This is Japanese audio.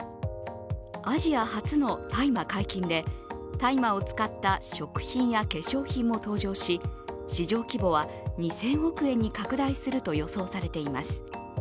アジア初の大麻解禁で大麻を使った食品や化粧品も登場し市場規模は２０００億円に拡大すると予想されています。